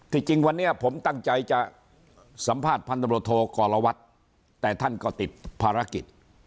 จริงวันนี้ผมตั้งใจจะสัมภาษณ์พันธบรวจโทกรวัตรแต่ท่านก็ติดภารกิจ